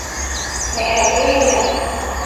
你係機器人？